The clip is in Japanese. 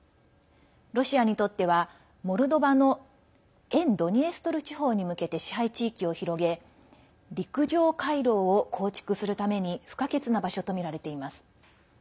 ロシアにとってはモルドバの沿ドニエストル地方に向けて支配地域を広げ陸上回廊を構築するために不可欠な場所とみられています。